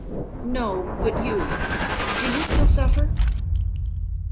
"No, but you: do you still suffer?"